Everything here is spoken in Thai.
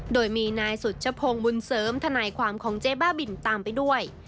โดยมีนายสุชพงศ์บุญเสริมทนายความของเจ๊บ้าบินตามไปด้วย